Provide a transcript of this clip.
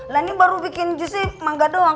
lah ini baru bikin juicy mangga doang